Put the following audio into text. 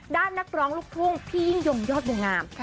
ด้านนักร้องลูกทุ่งพี่ยิ่งยมยอดเดียวงาม